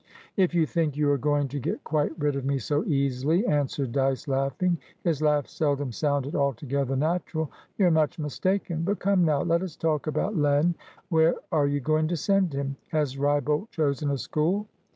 "If you think you are going to get quite rid of me so easily," answered Dyce, laughinghis laugh seldom sounded altogether natural"you're much mistaken. But come now, let us talk about Len. Where are you going to send him? Has Wrybolt chosen a school?"